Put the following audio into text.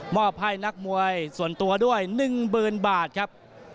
อบให้นักมวยส่วนตัวด้วย๑๐๐๐บาทครับ